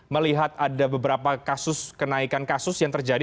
melihat ada beberapa kasus kenaikan kasus yang terjadi